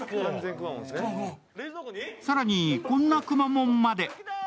更に、こんなくまモンまで。